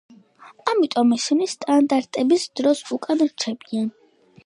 ამიტომ ისინი სტანდარტების დროს უკან რჩებიან.